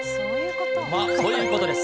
そういうことです。